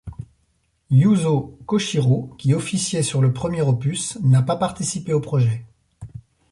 Yuzo Koshiro qui officiait sur le premier opus n'a pas participé au projet.